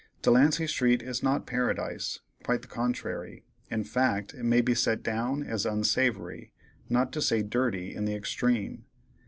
Delancey street is not Paradise, quite the contrary. In fact it may be set down as unsavory, not to say dirty in the extreme.